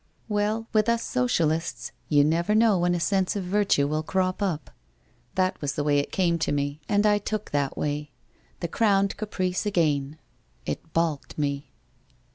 "Well, with us Socialists, you never know when a sense of virtue will crop up. That was the way it came to me, and I took that way. The Crowned Caprice again ! It baulked me.